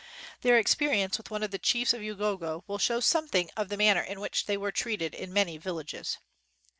Their experience with one of the chiefs of Ugogo will show something of the man ner in which they were treated in many vil lages.